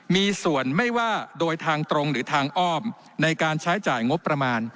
มีส่วนไม่ว่าโดยทางตรงหรือทางอ้อมในการใช้จ่ายงบประมาณ